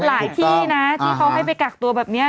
หลายที่นะที่เขาให้ไปกักตัวแบบนี้